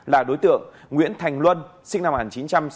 là đối tượng nguyễn thành luân sinh năm hàn chín trăm sáu mươi